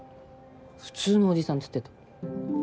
普通のおじさんって言ってた。